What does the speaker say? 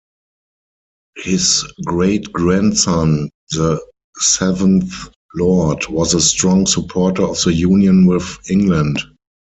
His great-grandson, the seventh Lord, was a strong supporter of the union with England.